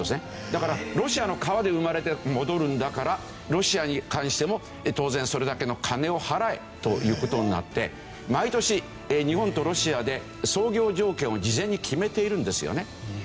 だからロシアの川で生まれて戻るんだからロシアに関しても当然それだけの金を払えという事になって毎年日本とロシアで操業条件を事前に決めているんですよね。